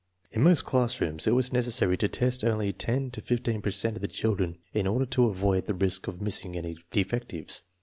In most classrooms it was necessary to test only ten to fifteen per cent of the children in order to avoid the risk of missing any defectives.